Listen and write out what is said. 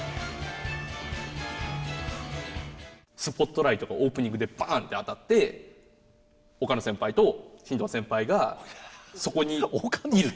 スポットライトがオープニングでバーンって当たって岡野先輩と新藤先輩がそこにいる。